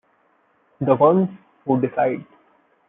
The Ones Who Decide.